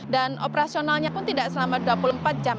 dan operasionalnya pun tidak selama dua puluh empat jam